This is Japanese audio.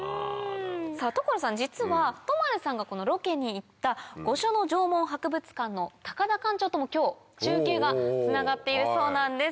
所さん実は都丸さんがこのロケに行った御所野縄文博物館の高田館長とも今日中継がつながっているそうなんです。